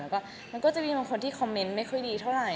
แล้วก็มันก็จะมีบางคนที่คอมเมนต์ไม่ค่อยดีเท่าไหร